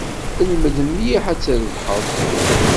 Lmed mliḥ ad trebḥeḍ.